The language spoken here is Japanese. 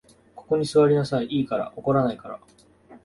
ここに坐りなさい、いいから。怒らないから。